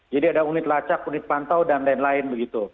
ada unit lacak unit pantau dan lain lain begitu